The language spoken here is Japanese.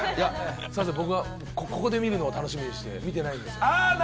僕はここで見るのを楽しみにして、見てないんですよ。